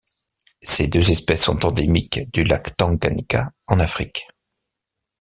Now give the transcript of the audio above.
Ces deux espèces sont endémiques du lac Tanganyika en Afrique.